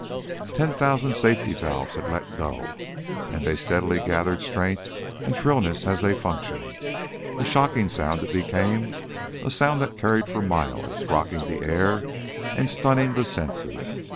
Ten thousand safety valves had let go, and they steadily gathered strength and shrillness as they functioned. A shocking sound it became, a sound that carried for miles, rocking the air and stunning the senses.